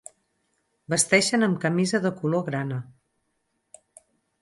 Vesteixen amb camisa de color grana.